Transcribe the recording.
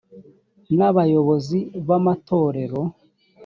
n abayobozi b amatorero